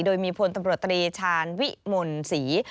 โดยมีพลตำรวจตรีชาญวิมลศรี